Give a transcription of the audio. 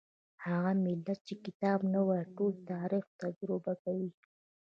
هغه ملت چې کتاب نه وايي ټول تاریخ تجربه کوي.